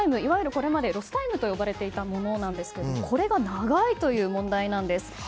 これまでロスタイムと呼ばれていたものですがこれが長いという問題です。